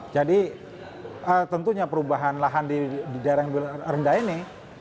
jadi tentunya perubahan lahan di daerah yang rendah ini